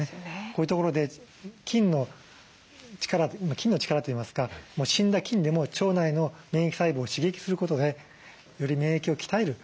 こういうところで菌の力といいますか死んだ菌でも腸内の免疫細胞を刺激することでより免疫を鍛える。